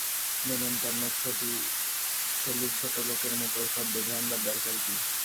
নেমস্তন্ন খেলিছোটলোকের মতো ওসব বেঁধে আনবার দরকাব কি!